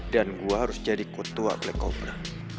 dan gue harus jadi ketua black cobra